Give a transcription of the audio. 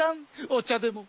お茶でも。